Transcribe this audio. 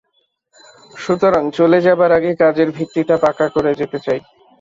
সুতরাং চলে যাবার আগে কাজের ভিত্তিটা পাকা করে যেতে চাই।